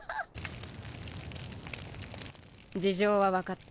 事情は分かった。